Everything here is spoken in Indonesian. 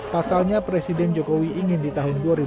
pasalnya presiden jokowi ingin di tahun dua ribu dua puluh